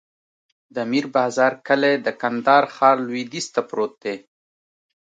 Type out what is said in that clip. د میر بازار کلی د کندهار ښار لویدیځ ته پروت دی.